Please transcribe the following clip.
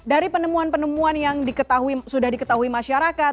dari penemuan penemuan yang sudah diketahui masyarakat